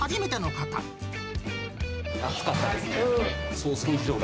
厚かったですね。